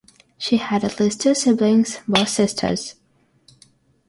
She had at least two siblings, both sisters.